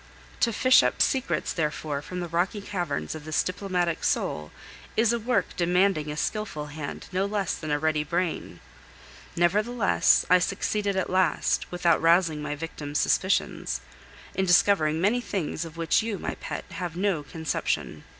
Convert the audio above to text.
To fish up secrets, therefore, from the rocky caverns of this diplomatic soul is a work demanding a skilful hand no less than a ready brain. Nevertheless, I succeeded at last, without rousing my victim's suspicions, in discovering many things of which you, my pet, have no conception.